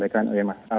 ini kita terima